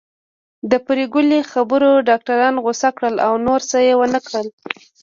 د پري ګلې خبرو ډاکټران غوسه کړل او نور څه يې ونکړل